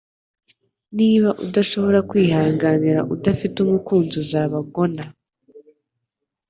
niba udashobora kwihanganira udafite umukunzi uzaba gonner